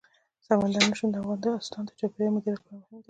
سمندر نه شتون د افغانستان د چاپیریال د مدیریت لپاره مهم دي.